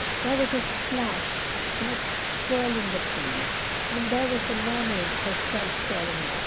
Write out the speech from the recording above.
_'" There was a splash and a swirl in the pool, and there was the Mermaid herself, sure enough.